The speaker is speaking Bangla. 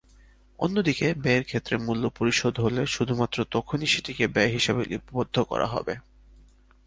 অন্যদিকে ব্যয়ের ক্ষেত্রে মূল্য পরিশোধ হলে শুধুমাত্র তখনই সেটিকে ব্যয় হিসেবে লিপিবদ্ধ করা হবে।